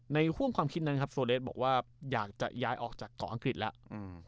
ห่วงความคิดนั้นครับโซเลสบอกว่าอยากจะย้ายออกจากเกาะอังกฤษแล้ว